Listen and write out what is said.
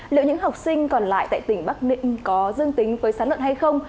liệu những học sinh còn lại tại tỉnh bắc ninh có dương tính với sán lợn hay không